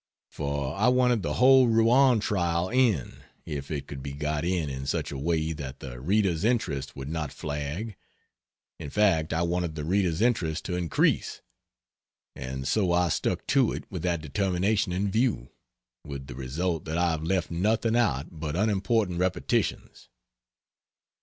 For I wanted the whole Rouen trial in, if it could be got in in such a way that the reader's interest would not flag in fact I wanted the reader's interest to increase; and so I stuck to it with that determination in view with the result that I have left nothing out but unimportant repetitions.